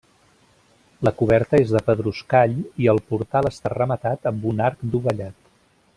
La coberta és de pedruscall, i el portal està rematat amb un arc dovellat.